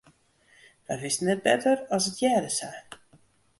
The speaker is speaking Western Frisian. Wy wisten net better as it hearde sa.